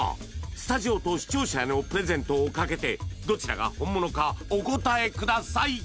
スタジオと視聴者へのプレゼントをかけてどちらが本物かお答えください